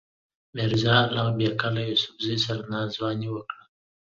میرزا الغ بېګ له یوسفزیو سره ناځواني وکړه.